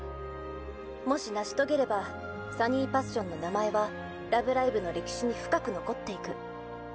「もし成し遂げればＳｕｎｎｙＰａｓｓｉｏｎの名前は『ラブライブ！』の歴史に深く残っていく」。